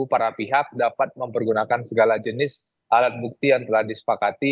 para pihak dapat mempergunakan segala jenis alat bukti yang telah disepakati